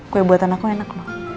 kue buatan aku enak